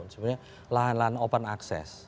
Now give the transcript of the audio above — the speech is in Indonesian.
sebenarnya lahan lahan open access